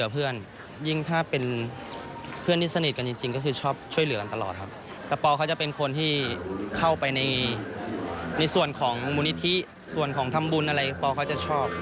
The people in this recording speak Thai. พี่ปได้มีสร้างบุญกรรมอะไรไว้กับเราไหมคะ